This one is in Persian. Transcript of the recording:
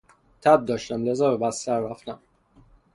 تب داشتم لذا به بستر رفتم.